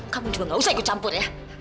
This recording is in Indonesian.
kamu juga gak usah ikut campur ya